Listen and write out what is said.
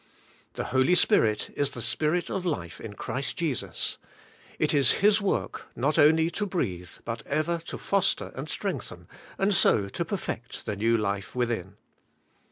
The Holy Spirit is the Spirit of life in Christ Jesus; it is His work, not only to breathe, but ever to foster and strengthen, and so to perfect the new life within.